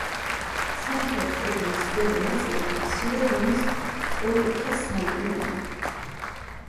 სამხრეთ კედლის ზედა ნაწილში მცირე ზომის სწორკუთხა სარკმელია.